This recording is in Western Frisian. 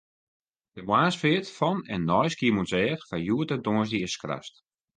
De moarnsfeart fan en nei Skiermûntseach foar hjoed en tongersdei is skrast.